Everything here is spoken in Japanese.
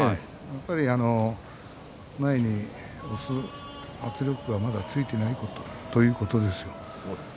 やっぱり前に押す圧力がまだついていないということですよ。